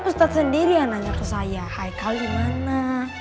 ustadz sendiri yang nanya ke saya haikal dimana